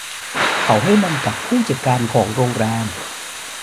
เขาให้มันกับผู้จัดการของโรงแรม